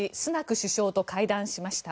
首相と会談しました。